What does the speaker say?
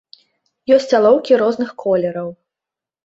Але ёсць алоўкі розных колераў.